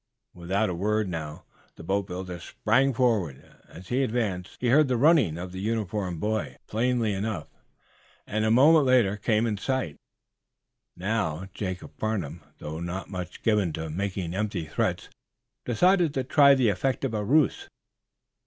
Without a word, now, the boatbuilder sprang forward. As he advanced, he heard the running of the uniformed boy plainly enough, and, a moment later, came in sight. Now, Jacob Farnum, though not much given to making empty threats, decided to try the effect of a ruse.